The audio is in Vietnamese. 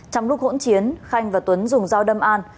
trong lúc hỗn chiến khanh và tuấn dùng dao đâm an